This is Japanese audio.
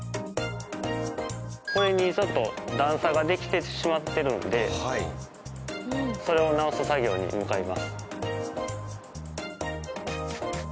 それにちょっと段差ができてしまってるんでそれを直す作業に向かいます。